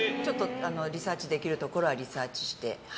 リサーチできるところはリサーチして。